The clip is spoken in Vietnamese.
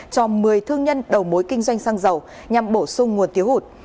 cho một mươi thương nhân đầu mối kinh doanh xăng dầu nhằm bổ sung nguồn thiếu hụt